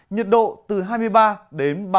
nhật độ từ hai mươi ba đến ba mươi một độ